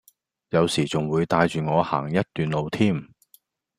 有時仲會帶住我行一段路添